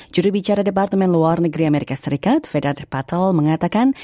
juru bicara departemen luar negeri amerika serikat vedat patel mengatakan